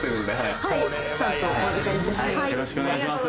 よろしくお願いします。